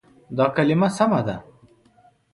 دا کلمه سمه ده.